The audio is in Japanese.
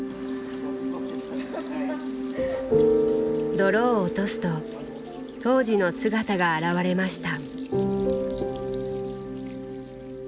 泥を落とすと当時の姿が現れました。